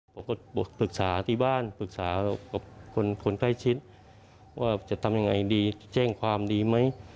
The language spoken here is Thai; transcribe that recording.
ผมก็ปรึกษาที่บ้านปรึกษากับคนใกล้ชิดว่าจะทำยังไงดีแจ้งความดีไหม